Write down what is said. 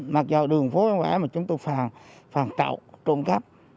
mặc dù đường phố vắng vẻ mà chúng tôi phòng trọng cắp